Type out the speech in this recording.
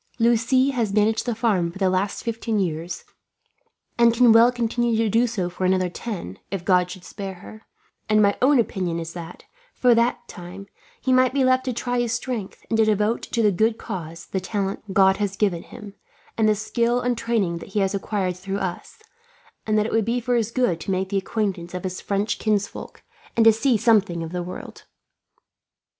Lucie has managed the farm for the last fifteen years, and can well continue to do so for another ten, if God should spare her; and my own opinion is that, for that time, he might be left to try his strength, and to devote to the good cause the talents God has given him, and the skill and training that he has acquired through us; and that it would be for his good to make the acquaintance of his French kinsfolk, and to see something of the world."